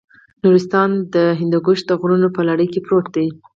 نورستان د هندوکش د غرونو په لړۍ کې پروت دی.